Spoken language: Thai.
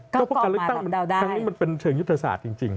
ก็ก็ออกมาหลับเดาได้การลึกตั้งทางนี้มันเป็นเชิงยุทธศาสตร์จริง